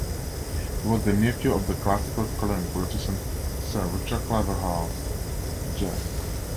He was the nephew of the classical scholar and politician, Sir Richard Claverhouse Jebb.